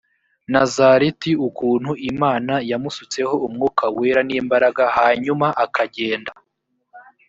nazareti ukuntu imana yamusutseho umwuka wera n imbaraga hanyuma akagenda